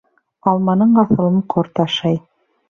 Алманың аҫылын ҡорт ашай.